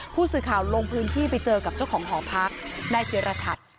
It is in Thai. ผู้สื่อข่าวลงพื้นที่ไปเจอกับเจ้าของหอพักนายเจรชัด